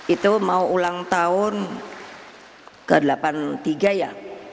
itu mau ulang tahun ke delapan puluh tiga ya